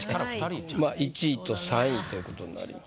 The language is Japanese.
１位と３位ということになります。